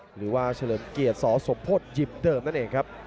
หรือว่าเฉลิมเกียรติสสมโพธิหยิบเดิมนั่นเองครับ